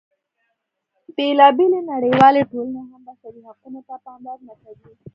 بېلا بېلې نړیوالې ټولنې هم بشري حقونو ته پاملرنه کوي.